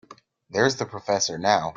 There's the professor now.